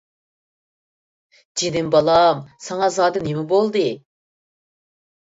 جېنىم بالام، ساڭا زادى نېمە بولدى؟